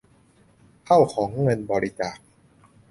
เท่าของเงินบริจาค